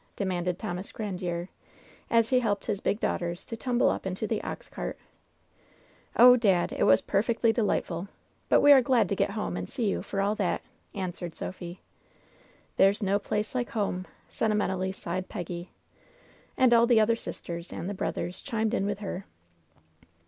demanded Thomas Grandiere, as he helped his big daughters to tumble up into the ox cart. "Oh, dad, it was perfectly deli^tful! But we are LOVE'S BITTEREST CUP 186 glad to get home and see you^ for all that !" answered Sophie. ^' 'There's no place like home/ " sentimentally sighed Peggy. And all the other sisters and the brothers chimed in with her.